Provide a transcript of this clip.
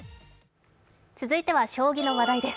続いては将棋の話題です。